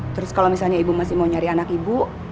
terus kalau misalnya ibu masih mau nyari anak ibu